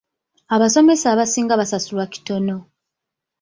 Abasomesa abasinga basasulwa kitono.